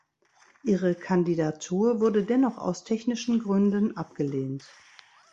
Ihre Kandidatur wurde dennoch aus technischen Gründen abgelehnt.